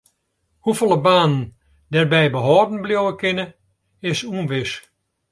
Hoefolle banen dêrby behâlden bliuwe kinne is ûnwis.